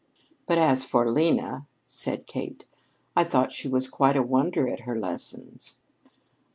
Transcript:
"But as for Lena," said Kate, "I thought she was quite a wonder at her lessons."